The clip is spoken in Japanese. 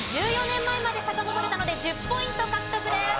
１４年前までさかのぼれたので１０ポイント獲得です。